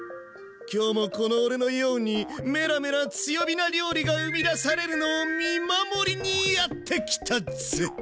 今日もこの俺のようにメラメラ強火な料理が生み出されるのを見守りにやって来たぜ！